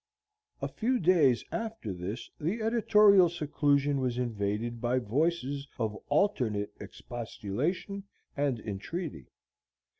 A few days after this the editorial seclusion was invaded by voices of alternate expostulation and entreaty.